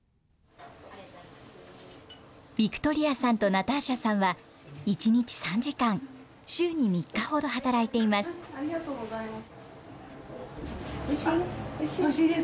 ヴィクトリアさんとナターシャさんは１日３時間、週に３日ほど働おいしいです。